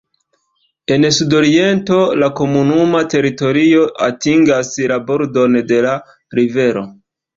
En sudoriento la komunuma teritorio atingas la bordon de la rivero.